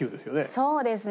そうですね。